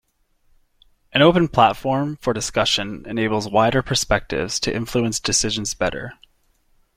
An open platform for discussion enables wider perspectives to influence decisions better.